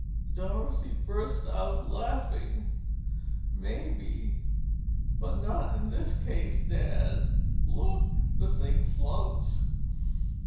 Dorothy burst out laughing. "Maybe—but not in this case, Dad. Look, the thing floats!"